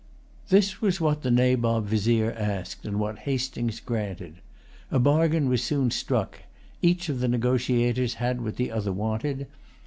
This was what the Nabob Vizier asked, and what Hastings granted. A bargain was soon struck. Each of the negotiators had what the other wanted.